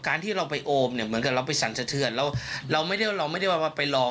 ส่วนใหญ่ลูกศิษย์ลูกหากอ้ออย่างนี้อาจารย์ก็น่าจะลองไปโอบ